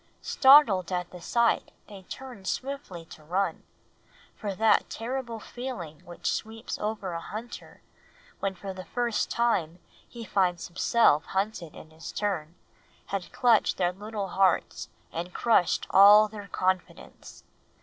Startled at the sight, they turned swiftly to run; for that terrible feeling which sweeps over a hunter, when for the first time he finds himself hunted in his turn, had clutched their little hearts and crushed all their confidence.